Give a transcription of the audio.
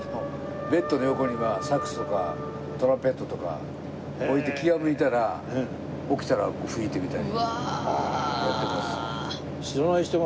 ベッドの横にはサックスとかトランペットとか置いて気が向いたら起きたら吹いてみたりやってます。